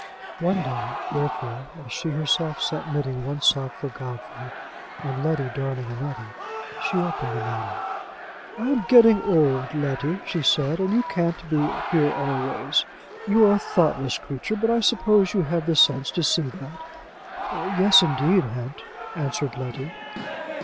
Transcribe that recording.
One day, therefore, as she herself sat knitting one sock for Godfrey, and Letty darning another, she opened the matter. "I am getting old, Letty," she said, "and you can't be here always. You are a thoughtless creature, but I suppose you have the sense to see that?" "Yes, indeed, aunt," answered Letty.